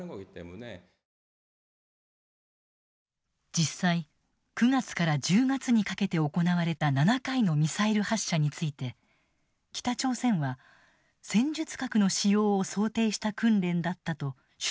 実際９月から１０月にかけて行われた７回のミサイル発射について北朝鮮は戦術核の使用を想定した訓練だったと主張している。